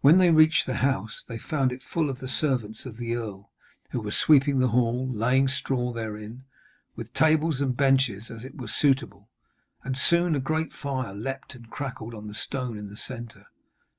When they reached the house, they found it full of the servants of the earl, who were sweeping the hall and laying straw therein, with tables and benches as were suitable, and soon a great fire leaped and crackled on the stone in the centre.